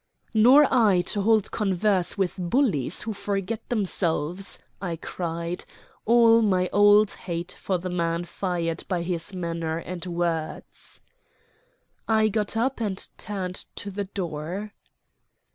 "Nor I to hold converse with bullies who forget themselves!" I cried, all my old hate of the man fired by his manner and words. I got up and turned to the door.